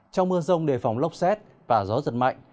trong mưa rông đề phòng lốc xét và gió giật mạnh